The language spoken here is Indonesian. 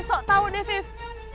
enggak sok tau deh fiff